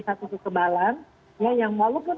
satu kekebalan yang walaupun